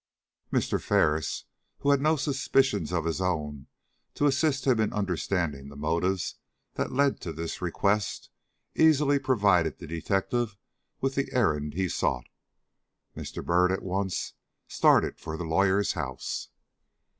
Mr. Ferris, who had no suspicions of his own to assist him in understanding the motives that led to this request, easily provided the detective with the errand he sought. Mr. Byrd at once started for the lawyer's house.